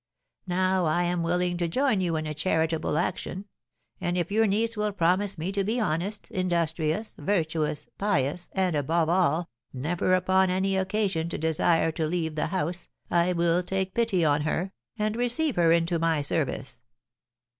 Now I am willing to join you in a charitable action; and if your niece will promise me to be honest, industrious, virtuous, pious, and, above all, never upon any occasion to desire to leave the house, I will take pity on her, and receive her into my service.'